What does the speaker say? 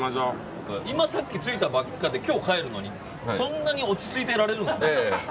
今さっきついたばかりですぐ帰るのにそんなに落ち着いてられるんですね。